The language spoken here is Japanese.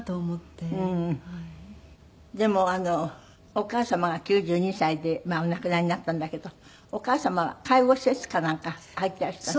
でもお母様が９２歳でお亡くなりになったんだけどお母様は介護施設かなんか入ってらした？